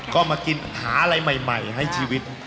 ก็มากินหาอะไรใหม่ให้ชีวิต